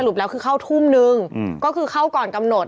แล้วคือเข้าทุ่มนึงก็คือเข้าก่อนกำหนด